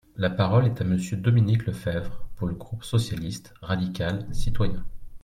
La parole est à Monsieur Dominique Lefebvre, pour le groupe socialiste, radical, citoyen.